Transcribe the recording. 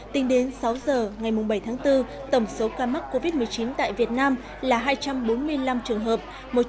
tính đến sáu giờ ngày bảy tháng bốn tổng số ca mắc covid một mươi chín tại việt nam là hai trăm bốn mươi năm trường hợp